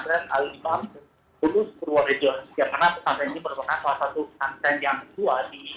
perawatan sebelumnya dimana ya melakukan safari politik ke berbagai wilayah khususnya di kalangan